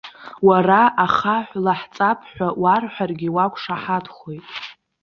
Уара ахаҳә лаҳҵап ҳәа уарҳәаргьы уақәшаҳаҭхоит.